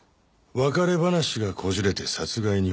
別れ話がこじれて殺害に及んだ。